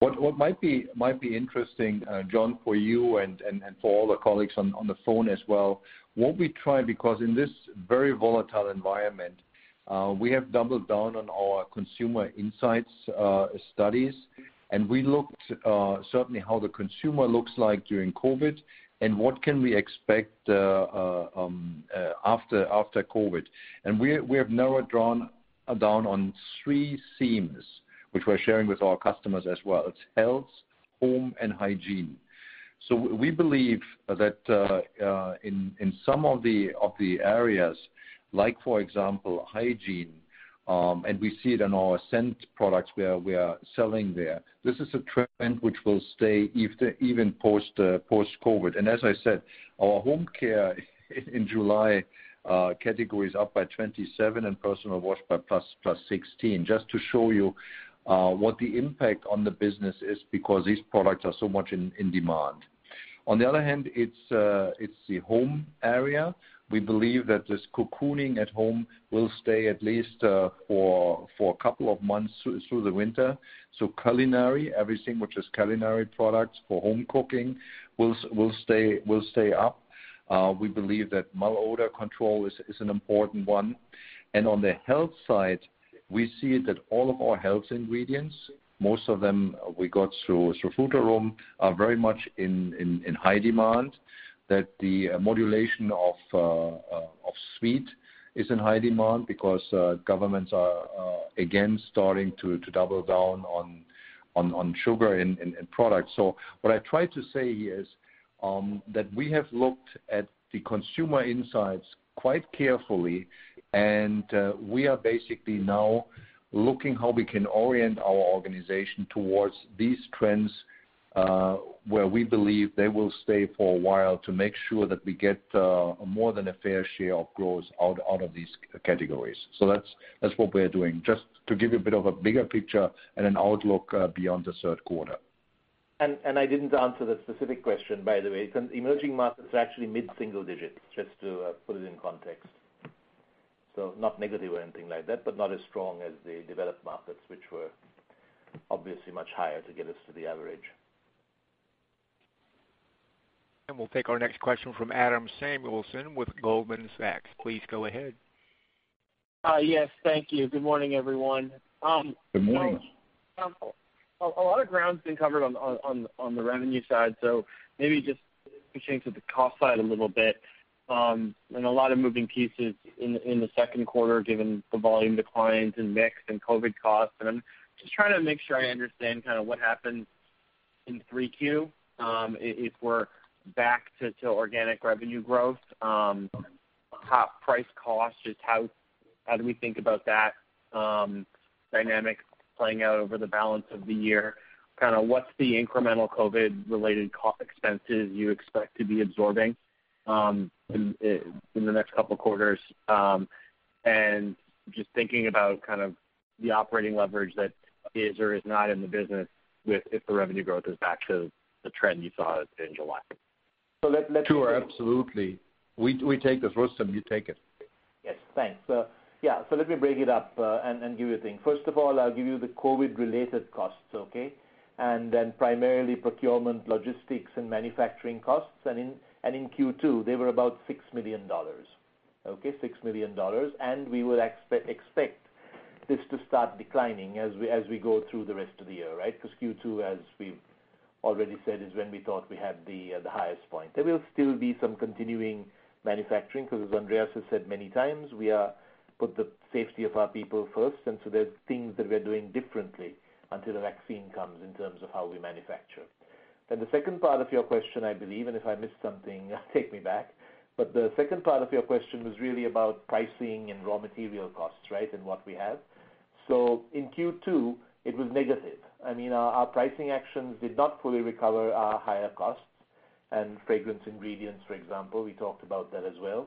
What might be interesting, John, for you and for all the colleagues on the phone as well, what we try, because in this very volatile environment, we have doubled down on our consumer insights studies, and we looked certainly how the consumer looks like during COVID and what can we expect after COVID. We have narrowed down on three themes, which we're sharing with our customers as well. It's health, home, and hygiene. We believe that in some of the areas, like for example, hygiene, and we see it in our scent products where we are selling there. This is a trend which will stay even post-COVID. As I said, our home care in July category is up by 27 and personal wash by +16, just to show you what the impact on the business is because these products are so much in demand. On the other hand, it's the home area. We believe that this cocooning at home will stay at least for a couple of months through the winter. So culinary, everything which is culinary products for home cooking, will stay up. We believe that malodor control is an important one. And on the health side, we see that all of our health ingredients, most of them we got through Frutarom, are very much in high demand, that the modulation of sweet is in high demand because governments are again starting to double down on sugar in products. What I try to say here is that we have looked at the consumer insights quite carefully, and we are basically now looking how we can orient our organization towards these trends, where we believe they will stay for a while to make sure that we get more than a fair share of growth out of these categories. That's what we're doing, just to give you a bit of a bigger picture and an outlook beyond the third quarter. I didn't answer the specific question, by the way. Some emerging markets are actually mid-single-digits, just to put it in context. Not negative or anything like that, but not as strong as the developed markets, which were obviously much higher to get us to the average. We'll take our next question from Adam Samuelson with Goldman Sachs. Please go ahead. Yes, thank you. Good morning, everyone. Good morning. A lot of ground's been covered on the revenue side, maybe just switching to the cost side a little bit. A lot of moving pieces in the second quarter, given the volume declines in mix and COVID-19 costs. I'm just trying to make sure I understand what happened in 3Q, if we're back to organic revenue growth. Price cost, just how do we think about that dynamic playing out over the balance of the year? What's the incremental COVID-19-related cost expenses you expect to be absorbing in the next couple of quarters? Just thinking about the operating leverage that is or is not in the business if the revenue growth is back to the trend you saw in July. Sure, absolutely. We take this. Rustom, you take it. Yes, thanks. Let me break it up, and give you a thing. First of all, I'll give you the COVID-related costs, okay? Primarily procurement, logistics, and manufacturing costs. In Q2, they were about $6 million. Okay, $6 million. We will expect this to start declining as we go through the rest of the year, right? Because Q2, as we've already said, is when we thought we had the highest point. There will still be some continuing manufacturing, because as Andreas has said many times, we put the safety of our people first, and so there's things that we're doing differently until the vaccine comes in terms of how we manufacture. The second part of your question, I believe, and if I missed something, take me back. The second part of your question was really about pricing and raw material costs. What we have. In Q2, it was negative. Our pricing actions did not fully recover our higher costs and fragrance ingredients, for example. We talked about that as well.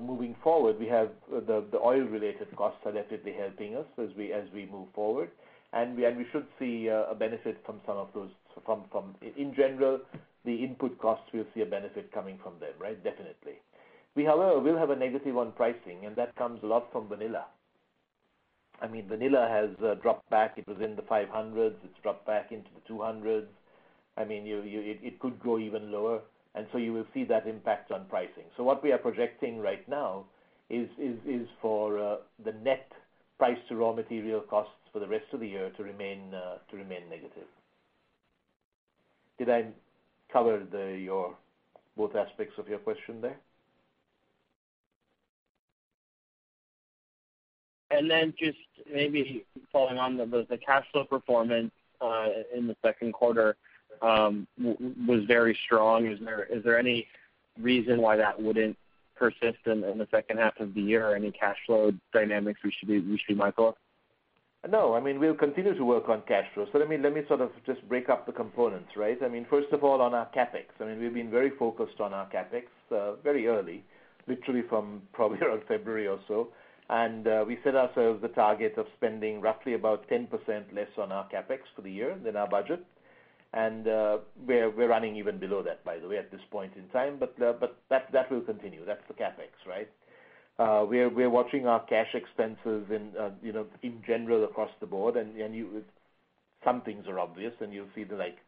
Moving forward, we have the oil-related costs are definitely helping us as we move forward. In general, the input costs, we'll see a benefit coming from them. Definitely. We'll have a negative on pricing, and that comes a lot from vanilla. Vanilla has dropped back. It was in the 500s. It's dropped back into the 200s. It could go even lower. You will see that impact on pricing. What we are projecting right now is for the net price to raw material costs for the rest of the year to remain negative. Did I cover both aspects of your question there? Just maybe following on, the cash flow performance in the second quarter was very strong. Is there any reason why that wouldn't persist in the second half of the year or any cash flow dynamics we should be mindful of? No, we'll continue to work on cash flow. Let me just break up the components. First of all, on our CapEx, we've been very focused on our CapEx, very early, literally from probably around February or so. We set ourselves the target of spending roughly about 10% less on our CapEx for the year than our budget. We're running even below that, by the way, at this point in time. That will continue. That's the CapEx, right? We're watching our cash expenses in general across the board. Some things are obvious, and you'll see the like,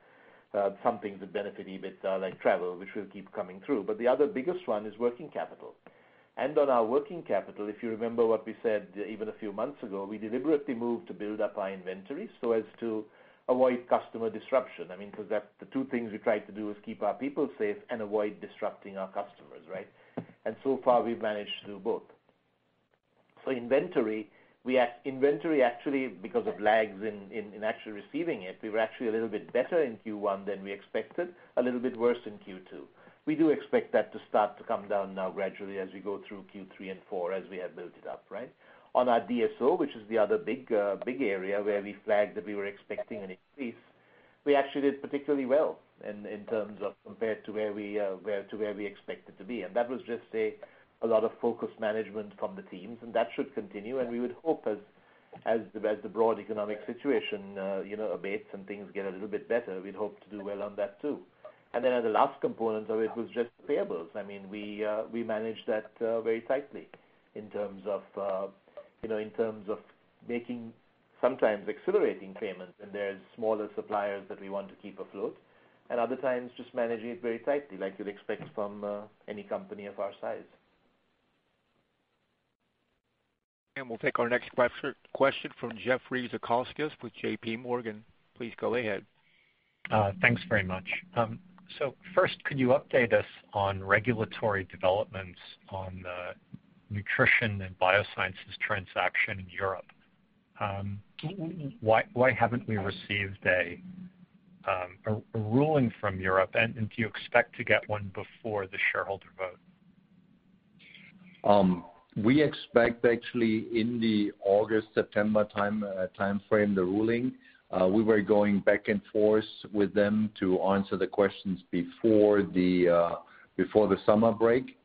something to benefit a bit like travel, which will keep coming through. The other biggest one is working capital. On our working capital, if you remember what we said even a few months ago, we deliberately moved to build up our inventory so as to avoid customer disruption. The two things we tried to do is keep our people safe and avoid disrupting our customers. So far, we've managed to do both. Inventory, actually, because of lags in actually receiving it, we were actually a little bit better in Q1 than we expected, a little bit worse in Q2. We do expect that to start to come down now gradually as we go through Q3 and Q4 as we have built it up. On our DSO, which is the other big area where we flagged that we were expecting an increase, we actually did particularly well in terms of compared to where we expected to be. That was just a lot of focus management from the teams, and that should continue. We would hope as the broad economic situation abates and things get a little bit better, we'd hope to do well on that too. Then the last component of it was just payables. We managed that very tightly in terms of making sometimes accelerating payments when there's smaller suppliers that we want to keep afloat. Other times just managing it very tightly like you'd expect from any company of our size. We'll take our next question from Jeffrey Zekauskas with JPMorgan. Please go ahead. Thanks very much. First, could you update us on regulatory developments on the Nutrition & Biosciences transaction in Europe? Why haven't we received a ruling from Europe, and do you expect to get one before the shareholder vote? We expect actually in the August-September timeframe, the ruling. We were going back and forth with them to answer the questions before the summer break.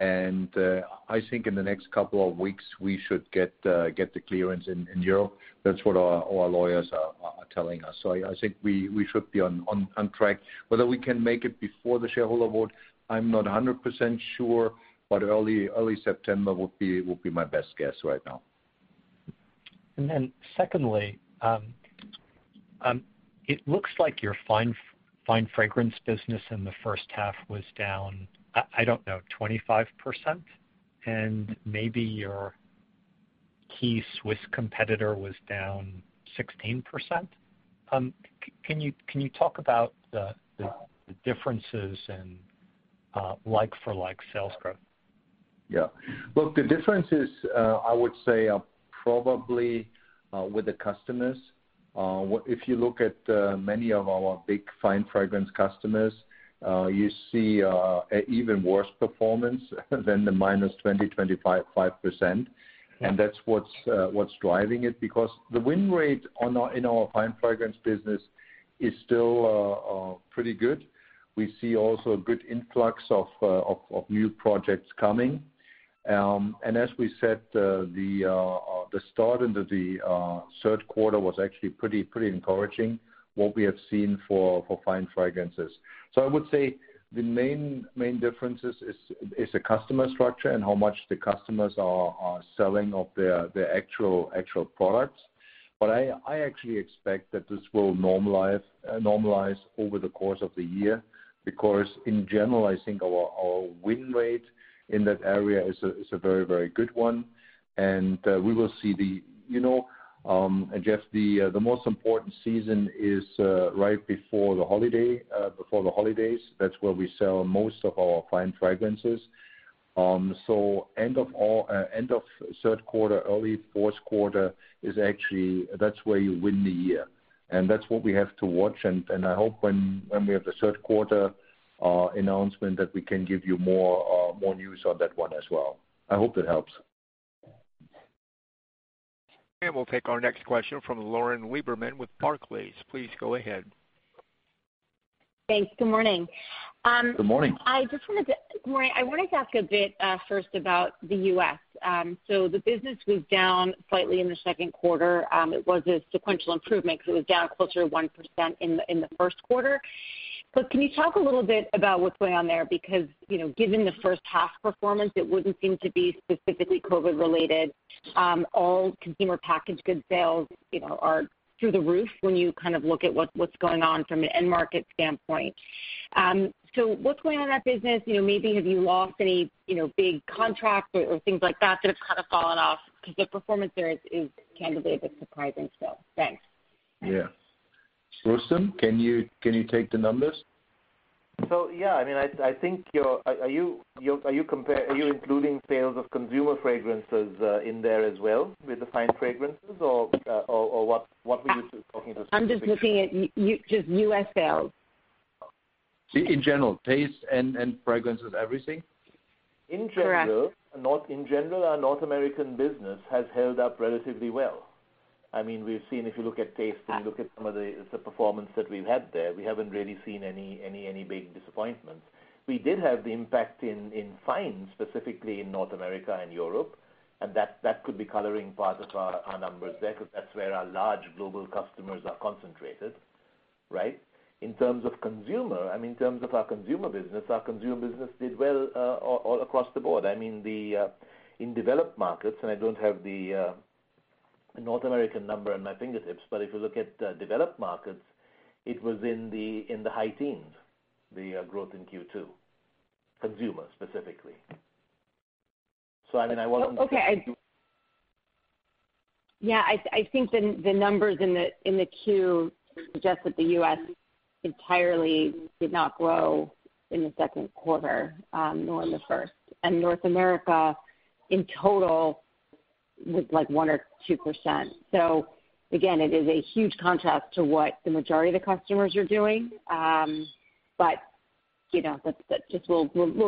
I think in the next couple of weeks, we should get the clearance in Europe. That's what our lawyers are telling us. I think we should be on track. Whether we can make it before the shareholder vote, I'm not 100% sure, but early September will be my best guess right now. Secondly. It looks like your fine fragrance business in the first half was down, I don't know, 25%? Maybe your key Swiss competitor was down 16%. Can you talk about the differences in like-for-like sales growth? Yeah. Look, the differences, I would say, are probably with the customers. If you look at many of our big fine fragrance customers, you see an even worse performance than the -20% to -25%. That's what's driving it. The win rate in our fine fragrance business is still pretty good. We see also a good influx of new projects coming. As we said, the start into the third quarter was actually pretty encouraging, what we have seen for fine fragrances. I would say the main difference is the customer structure and how much the customers are selling of their actual products. I actually expect that this will normalize over the course of the year. In general, I think our win rate in that area is a very good one, and we will see. Jeff, the most important season is right before the holidays. That's where we sell most of our fine fragrances. End of third quarter, early fourth quarter, is actually, that's where you win the year. That's what we have to watch, and I hope when we have the third quarter announcement that we can give you more news on that one as well. I hope that helps. We'll take our next question from Lauren Lieberman with Barclays. Please go ahead. Thanks. Good morning. Good morning. Morning, I wanted to ask a bit first about the U.S. The business was down slightly in the second quarter. It was a sequential improvement, because it was down closer to 1% in the first quarter. Can you talk a little bit about what's going on there? Given the first half performance, it wouldn't seem to be specifically COVID-19 related. All Consumer Packaged Good sales are through the roof when you look at what's going on from an end market standpoint. What's going on in that business? Maybe have you lost any big contracts or things like that have fallen off? The performance there is candidly a bit surprising still. Thanks. Yeah. Rustom, can you take the numbers? Yeah, are you including sales of consumer fragrances in there as well with the fine fragrances, or what were you talking specifically? I'm just looking at just U.S. sales. In general, taste and fragrances, everything? Correct. In general, our North American business has held up relatively well. If you look at taste and look at some of the performance that we've had there, we haven't really seen any big disappointments. We did have the impact in fine, specifically in North America and Europe, and that could be coloring part of our numbers there, because that's where our large global customers are concentrated. In terms of our consumer business, our consumer business did well all across the board. In developed markets, and I don't have the North American number on my fingertips, but if you look at developed markets, it was in the high-teens, the growth in Q2. Consumer, specifically. Okay. Yeah, I think the numbers in the Q suggest that the U.S. entirely did not grow in the second quarter, nor in the first. North America in total was like 1% or 2%. Again, it is a huge contrast to what the majority of the customers are doing. We'll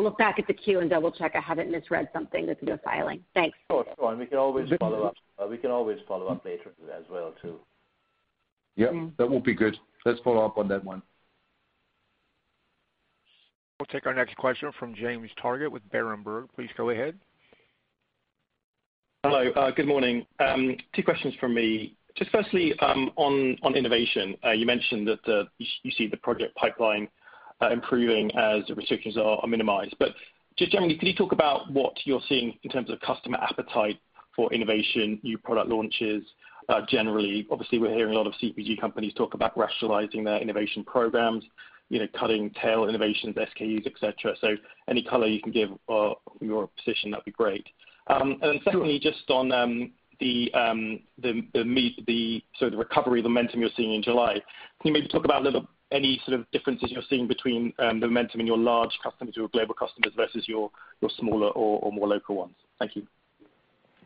look back at the Q and double-check I haven't misread something that's in a filing. Thanks. Oh, it's fine. We can always follow-up later as well, too. Yep. That would be good. Let's follow-up on that one. We'll take our next question from James Targett with Berenberg. Please go ahead. Hello. Good morning. Two questions from me. Just firstly, on innovation, you mentioned that you see the project pipeline improving as the restrictions are minimized. Just generally, can you talk about what you're seeing in terms of customer appetite for innovation, new product launches, generally? Obviously, we're hearing a lot of CPG companies talk about rationalizing their innovation programs, cutting tail innovations, SKUs, et cetera. Any color you can give your position, that'd be great. Secondly, just on the recovery momentum you're seeing in July, can you maybe talk about any differences you're seeing between momentum in your large customers, your global customers, versus your smaller or more local ones? Thank you.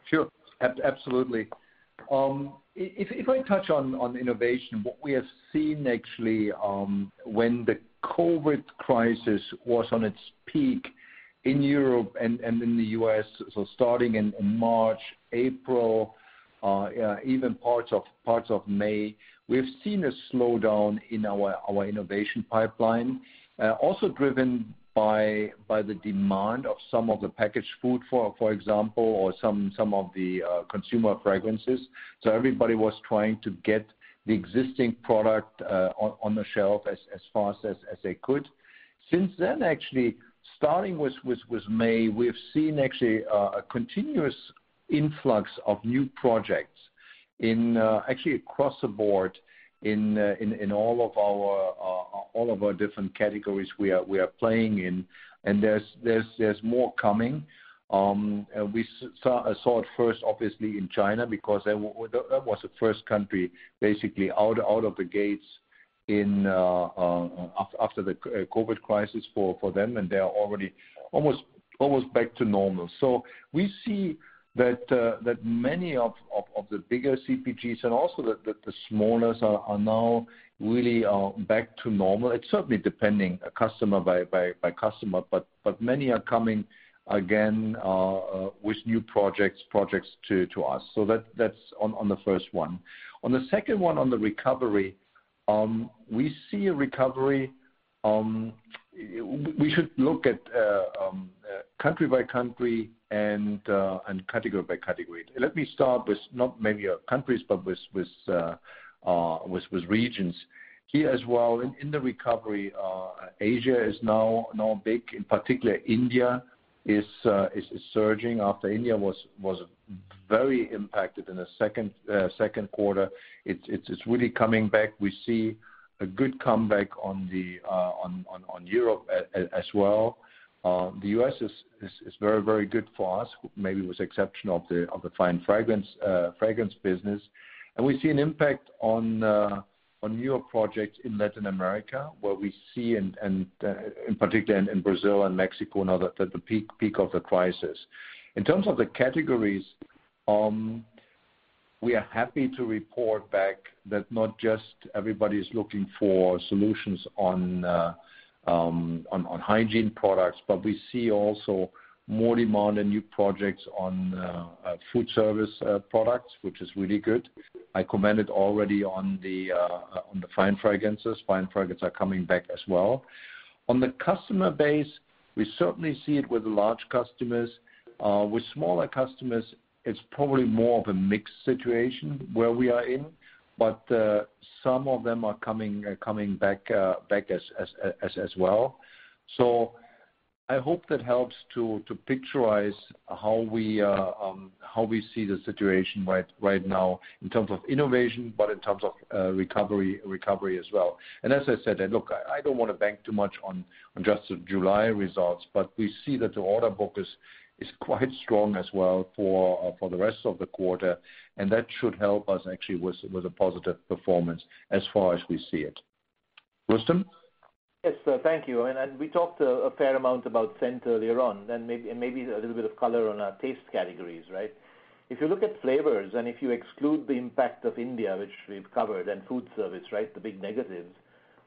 Sure. Absolutely. If I touch on innovation, what we have seen actually, when the COVID crisis was on its peak in Europe and in the U.S., starting in March, April even parts of May, we've seen a slowdown in our innovation pipeline. Also driven by the demand of some of the packaged food, for example, or some of the consumer fragrances. Everybody was trying to get the existing product on the shelf as fast as they could. Since then, actually, starting with May, we've seen actually a continuous influx of new projects, actually across the board in all of our different categories we are playing in, and there's more coming. We saw it first, obviously, in China because that was the first country basically out of the gates after the COVID crisis for them, and they are already almost back to normal. We see that many of the bigger CPGs and also the smallers are now really back to normal. It's certainly depending customer by customer, but many are coming again, with new projects to us. That's on the first one. On the second one, on the recovery, we see a recovery. We should look at country-by-country and category-by-category. Let me start with not maybe countries, but with regions. Here as well, in the recovery, Asia is now big. In particular, India is surging after India was very impacted in the second quarter. It's really coming back. We see a good comeback on Europe as well. The U.S. is very good for us, maybe with the exception of the Fine Fragrance business. We see an impact on newer projects in Latin America, where we see, in particular in Brazil and Mexico, now they're at the peak of the crisis. In terms of the categories, we are happy to report back that not just everybody's looking for solutions on hygiene products, but we see also more demand and new projects on food service products, which is really good. I commented already on the Fine Fragrances. Fine Fragrances are coming back as well. On the customer base, we certainly see it with large customers. With smaller customers, it's probably more of a mixed situation where we are in. Some of them are coming back as well. I hope that helps to picturize how we see the situation right now in terms of innovation, but in terms of recovery as well. As I said, look, I don't want to bank too much on just the July results, but we see that the order book is quite strong as well for the rest of the quarter. That should help us actually with a positive performance as far as we see it. Rustom? Yes, thank you. We talked a fair amount about scent earlier on, and maybe a little bit of color on our taste categories. If you look at flavors and if you exclude the impact of India, which we've covered, and food service, the big negatives,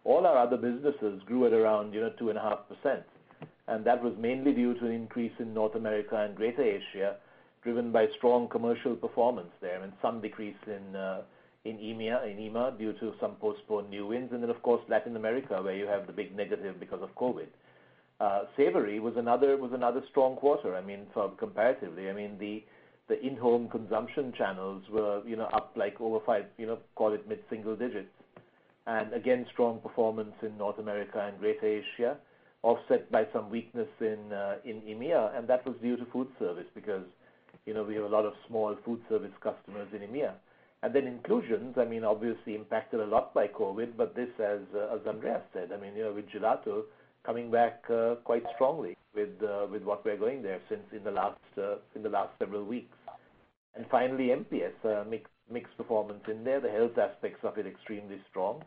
all our other businesses grew at around 2.5%. That was mainly due to an increase in North America and Greater Asia, driven by strong commercial performance there and some decrease in EMEA due to some postponed new wins. Of course, Latin America, where you have the big negative because of COVID-19. Savory was another strong quarter comparatively. The in-home consumption channels were up like over five, call it mid-single-digits. Again, strong performance in North America and Greater Asia, offset by some weakness in EMEA, that was due to food service because we have a lot of small food service customers in EMEA. Inclusions, obviously impacted a lot by COVID, but this as Andreas said, with gelato coming back quite strongly with what we're going there since in the last several weeks. Finally, NPS, mixed performance in there. The health aspects of it extremely strong.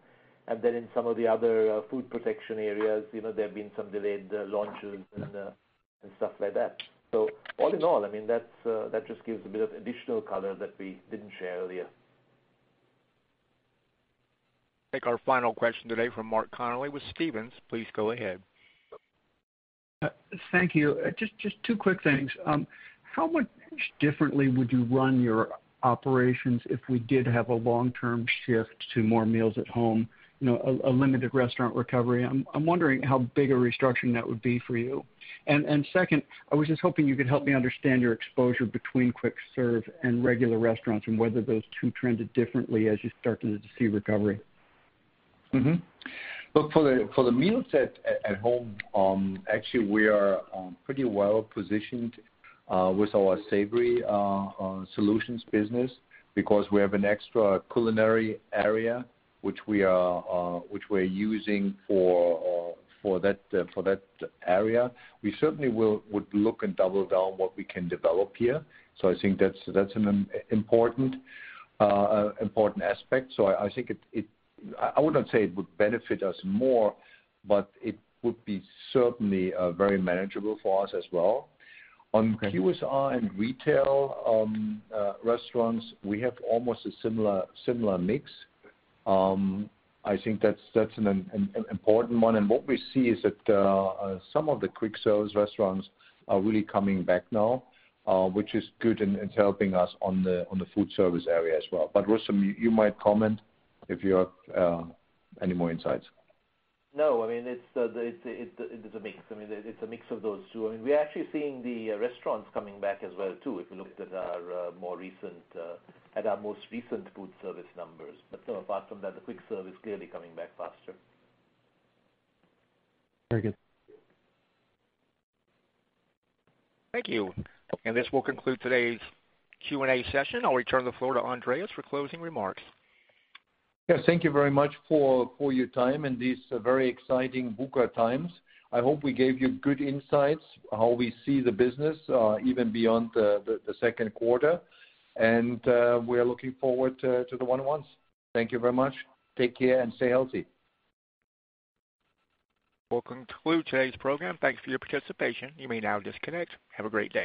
In some of the other food protection areas, there have been some delayed launches and stuff like that. All in all, that just gives a bit of additional color that we didn't share earlier. Take our final question today from Mark Connelly with Stephens. Please go ahead. Thank you. Just two quick things. How much differently would you run your operations if we did have a long-term shift to more meals at home, a limited restaurant recovery? I'm wondering how big a restructure that would be for you. Second, I was just hoping you could help me understand your exposure between quick serve and regular restaurants, and whether those two trended differently as you're starting to see recovery. Look, for the meals at home, actually we are pretty well positioned with our Savory Solutions business because we have an extra culinary area which we're using for that area. We certainly would look and double down what we can develop here. I think that's an important aspect. I wouldn't say it would benefit us more, but it would be certainly very manageable for us as well. On QSR and retail restaurants, we have almost a similar mix. I think that's an important one. What we see is that some of the quick service restaurants are really coming back now, which is good and it's helping us on the food service area as well. Rustom, you might comment if you have any more insights. No, it's a mix. It's a mix of those two. We're actually seeing the restaurants coming back as well, too, if you looked at our most recent food service numbers. Apart from that, the quick serve is clearly coming back faster. Very good. Thank you. This will conclude today's Q&A session. I'll return the floor to Andreas for closing remarks. Yes, thank you very much for your time in these very exciting VUCA times. I hope we gave you good insights how we see the business even beyond the second quarter. We are looking forward to the one-on-ones. Thank you very much. Take care and stay healthy. We'll conclude today's program. Thanks for your participation. You may now disconnect. Have a great day.